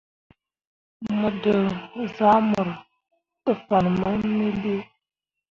Mo dǝ zahmor te fan mai me lii.